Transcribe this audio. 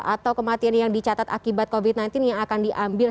atau kematian yang dicatat akibat covid sembilan belas yang akan diambil